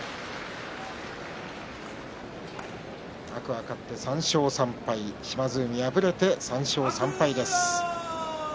天空海は勝って３勝３敗島津海は敗れて３勝３敗です。